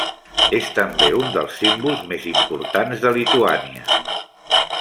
És també un dels símbols més importants de Lituània.